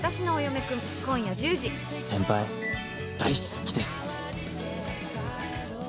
先輩、大好きです。